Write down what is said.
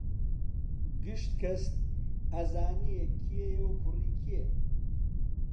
گشت کەس ئەزانێ کێیە و کوڕی کێ